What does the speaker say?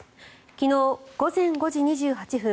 昨日午前５時２８分